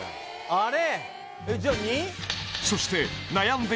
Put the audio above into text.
あれ？